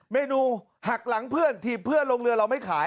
เมนูหักหลังเพื่อนถีบเพื่อนลงเรือเราไม่ขาย